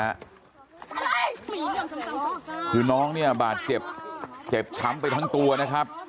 อะไรมีเรื่องสำคัญคือน้องเนี่ยบาดเจ็บเจ็บช้ำไปทั้งตัวนะครับ